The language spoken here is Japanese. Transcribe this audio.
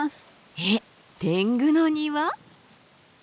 えっ天狗の庭？